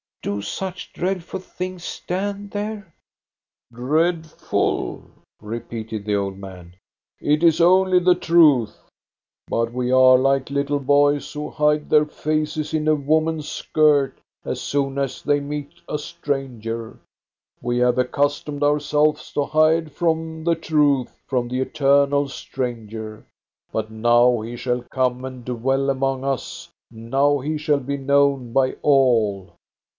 Do such dreadful things stand there?" " Dreadful !" repeated the old man, " it is only the truth. But we are like little boys who hide their faces in a woman's skirt as soon as they meet a stranger : we have accustomed ourselves to hide from the truth, from the eternal stranger. But now he shall come and dwell among us, now he shall be known by all."